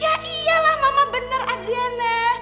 ya iyalah mama bener adiana